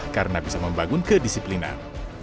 karena bisa membangun kedisiplinan